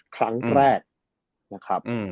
ครั้งแรก